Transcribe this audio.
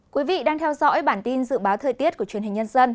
quý vị đang theo dõi bản tin dự báo thời tiết của truyền hình nhân dân